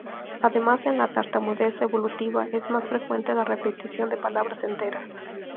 Además en la tartamudez evolutiva es más frecuente la repetición de palabras enteras.